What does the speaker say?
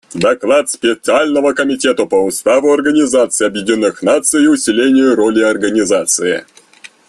Доклад Специального комитета по Уставу Организации Объединенных Наций и усилению роли Организации.